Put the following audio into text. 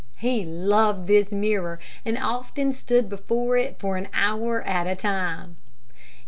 He loved this mirror, and often stood before it for an hour at a time.